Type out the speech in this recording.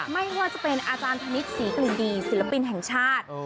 ไม่ว่าจะเป็นอาจารย์ธนิษฐ์ศรีกลิ่นดีศิลปินแห่งชาติ